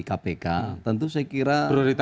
kpk tentu saya kira